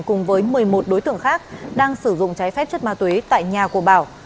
cùng với một mươi một đối tượng khác đang sử dụng trái phép chất ma túy tại nhà của bảo